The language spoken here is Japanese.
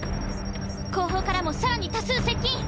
後方からもさらに多数接近！